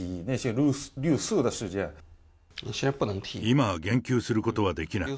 今、言及することはできない。